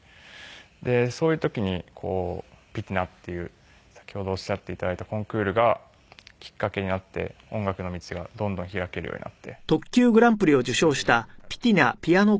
でそういう時にピティナっていう先ほどおっしゃって頂いたコンクールがきっかけになって音楽の道がどんどん開けるようになってそれで今に至るという感じですね。